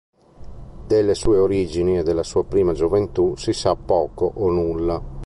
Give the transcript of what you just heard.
Delle sue origini e della sua prima gioventù si sa poco o nulla.